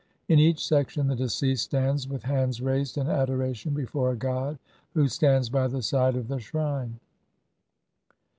In each section the deceased stands with hands raised in adora tion before a god who stands by the side of a shrine.